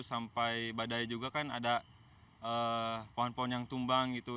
sampai badai juga kan ada pohon pohon yang tumbang gitu